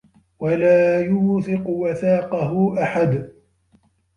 وَلا يوثِقُ وَثاقَهُ أَحَدٌ